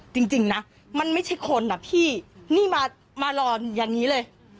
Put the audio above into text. จริงนะมันไม่ใช่คนอ่ะพี่นี่มารออย่างนี้เลย